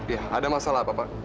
ya ada masalah apa pak